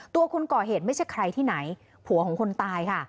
คนก่อเหตุไม่ใช่ใครที่ไหนผัวของคนตายค่ะ